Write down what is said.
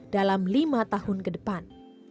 dalam lima tahun ke depan